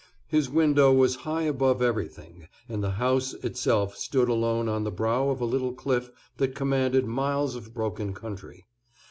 His window was high above everything, and the house itself stood alone on the brow of a little cliff that commanded miles of broken country.